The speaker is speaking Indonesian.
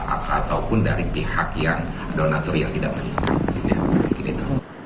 ataupun dari pihak yang donator yang tidak melihat